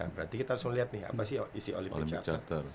berarti kita harus melihat nih apa sih isi olimpic jakarta